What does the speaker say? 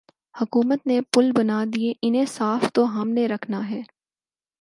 حکومت نے پل بنادیئے انہیں صاف تو ہم نے رکھنا ہے۔